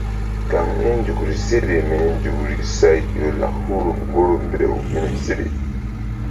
Kaŋ mí nzukri seɗe mini say ƴo lak ŋgoro huru mbew mini seɗe.